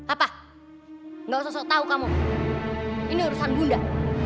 apa gak usah sok tau kamu ini urusan bunda